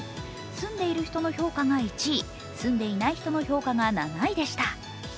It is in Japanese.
住んでいる人の評価が１位、住んでいない人の評価が７位でした。